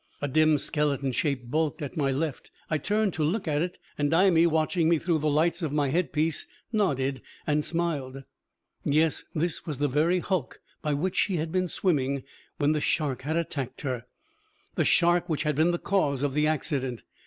A dim skeleton shape bulked up at my left. I turned to look at it, and Imee, watching me through the lights of my head piece, nodded and smiled. Yes, this was the very hulk by which she had been swimming when the shark had attacked her, the shark which had been the cause of the accident.